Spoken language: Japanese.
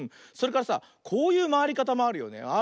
それからさこういうまわりかたもあるよね。